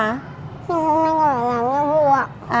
nhưng hôm nay con phải làm nhiệm vụ ạ